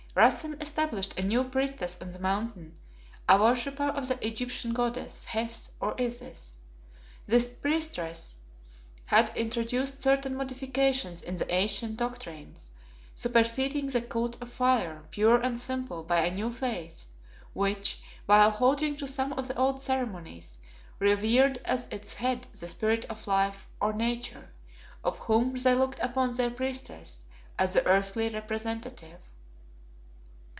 Rassen established a new priestess on the Mountain, a worshipper of the Egyptian goddess, Hes, or Isis. This priestess had introduced certain modifications in the ancient doctrines, superseding the cult of fire, pure and simple, by a new faith, which, while holding to some of the old ceremonies, revered as its head the Spirit of Life or Nature, of whom they looked upon their priestess as the earthly representative.